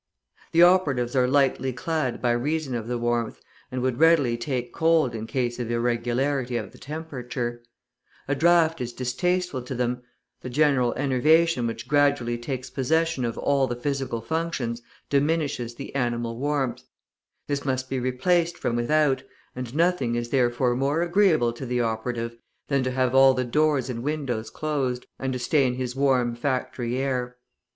The operatives are lightly clad by reason of the warmth, and would readily take cold in case of irregularity of the temperature; a draught is distasteful to them, the general enervation which gradually takes possession of all the physical functions diminishes the animal warmth: this must be replaced from without, and nothing is therefore more agreeable to the operative than to have all the doors and windows closed, and to stay in his warm factory air.